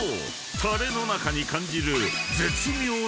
タレの中に感じる］